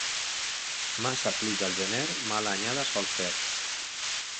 Massa pluja al gener mala anyada sol fer.